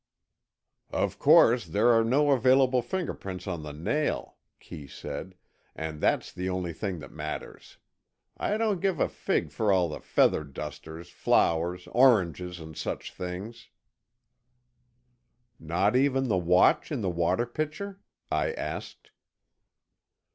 "Of course, there are no available fingerprints on the nail," Kee said, "and that's the only thing that matters. I don't give a fig for all the feather dusters, flowers, oranges and such things." "Not even the watch in the water pitcher?" I asked.